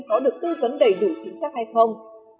có được tư vấn đầy đủ chính xác hay không